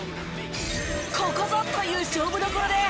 ここぞという勝負どころで。